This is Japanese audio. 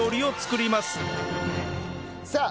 さあ